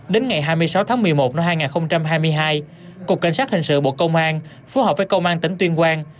đến ngày hai mươi sáu tháng một mươi một năm hai nghìn hai mươi hai cục cảnh sát hình sự bộ công an phối hợp với công an tỉnh tuyên quang